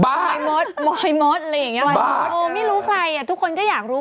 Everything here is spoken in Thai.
มอยมดมอยมดไม่รู้ใครทุกคนก็อยากรู้